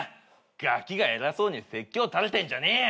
ガキが偉そうに説教たれてんじゃねえよ！